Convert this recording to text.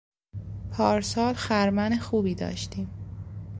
پارسال خرمن خوبی داشتیم.